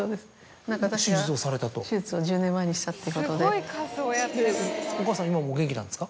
手術を１０年前にしたってことで。